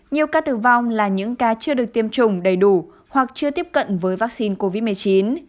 nhiều ca tử vong là những ca chưa được tiêm chủng đầy đủ hoặc chưa tiếp cận với vaccine covid một mươi chín